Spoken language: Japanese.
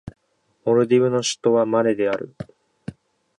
モルディブの首都はマレである